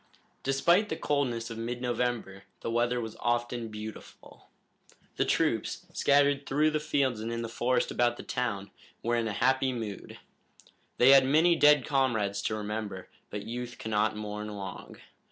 Despite the coldness of mid November the weather was often beautiful. The troops, scattered through the fields and in the forest about the town, were in a happy mood. They had many dead comrades to remember, but youth cannot mourn long.